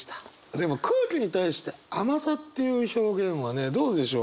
でも空気に対して「甘さ」っていう表現はねどうでしょう？